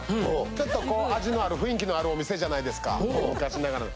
ちょっとこう味のある雰囲気のあるお店じゃないですか昔ながらの。